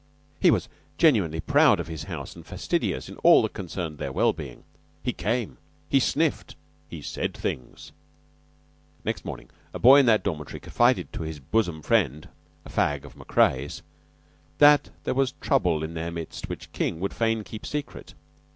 He was genuinely proud of his house and fastidious in all that concerned their well being. He came; he sniffed; he said things. Next morning a boy in that dormitory confided to his bosom friend, a fag of Macrea's, that there was trouble in their midst which King would fain keep secret.